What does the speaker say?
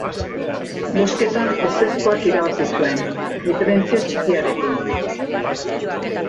Bozketan ezezkoak irabazi zuen, diferentzia txikiarekin.